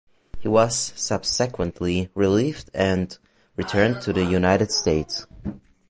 He was subsequently relieved and returned to the United States.